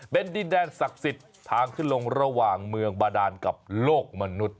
เป็นดินแดนศักดิ์สิทธิ์ทางขึ้นลงระหว่างเมืองบาดานกับโลกมนุษย